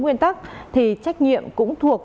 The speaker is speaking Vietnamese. nguyên tắc thì trách nhiệm cũng thuộc